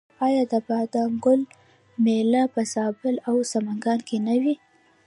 آیا د بادام ګل میله په زابل او سمنګان کې نه وي؟